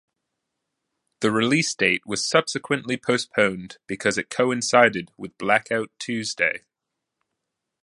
The release date was subsequently postponed because it coincided with Blackout Tuesday.